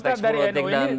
teks politik dan seni